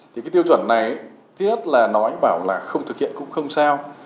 thì cái tiêu chuẩn này tiết là nói bảo là không thực hiện cũng không sao